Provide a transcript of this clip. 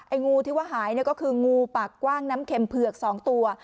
งูที่ว่าหายก็คืองูปากกว้างน้ำเข็มเผือก๒ตัว